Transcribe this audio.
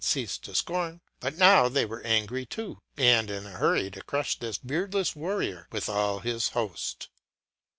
254 ceased to scorn; but now they were angry too, and in a hurry to crush this beardless warrior with all his host.